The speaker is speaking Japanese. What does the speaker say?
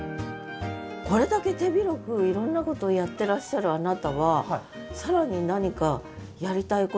これだけ手広くいろんなことをやってらっしゃるあなたは更に何かやりたいこととかあるんですか？